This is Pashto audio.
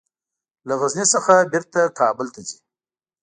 له غزني څخه بیرته کابل ته ځي.